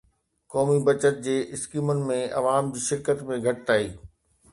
قومي بچت جي اسڪيمن ۾ عوام جي شرڪت ۾ گهٽتائي